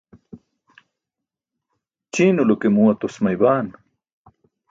ćiinaulo ke muu atosmay baan